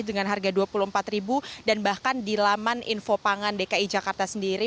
dengan harga rp dua puluh empat dan bahkan di laman info pangan dki jakarta sendiri